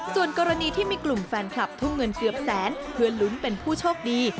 ส่วนกรณีที่มีกลุ่มแฟนคลับทุ่มเงินเกือบแสนเพื่อลุ้นเป็นผู้โชคดี